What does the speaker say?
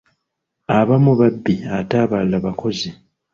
Abamu babbi ate abalala bakozi.